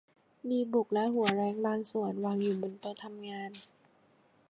ดีบุกและหัวแร้งบางส่วนวางอยู่บนโต๊ะทำงาน